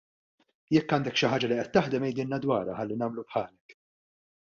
Jekk għandek xi ħaġa li qed taħdem għidilna dwarha ħalli nagħmlu bħalek.